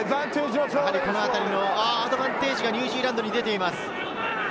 アドバンテージ、ニュージーランドに出ています。